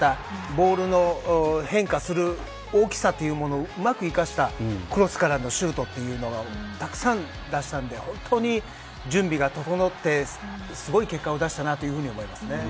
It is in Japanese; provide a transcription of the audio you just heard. ボールの変化する大きさというものをうまく生かしたクロスからのシュートというのをたくさん出したので本当に準備が整ってすごい結果を出したなと思います。